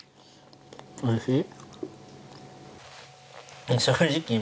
おいしい？